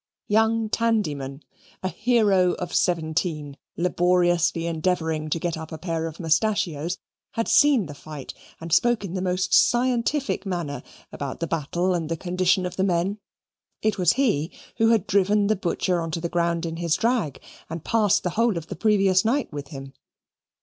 Young Tandyman, a hero of seventeen, laboriously endeavouring to get up a pair of mustachios, had seen the fight, and spoke in the most scientific manner about the battle and the condition of the men. It was he who had driven the Butcher on to the ground in his drag and passed the whole of the previous night with him.